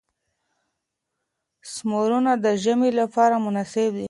سمورونه د ژمي لپاره مناسب دي.